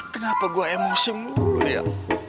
kenapa gua emosi mulu ya